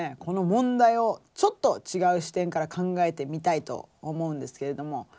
この問題をちょっと違う視点から考えてみたいと思うんですけれども。